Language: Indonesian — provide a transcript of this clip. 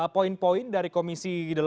poin poin dari komisi delapan